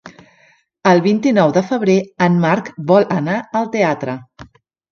El vint-i-nou de febrer en Marc vol anar al teatre.